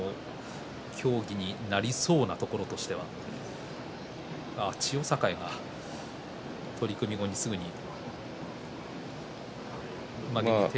協議になりそうなところとしては千代栄は取組後にすぐに、まげに。